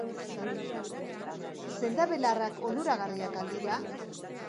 Sendabelarrak onuragarriak al dira?